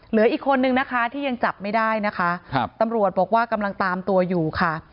เหลืออีกคนนึงนะคะที่ยังจับไม่ได้นะคะครับตำรวจบอกว่ากำลังตามตัวอยู่ค่ะ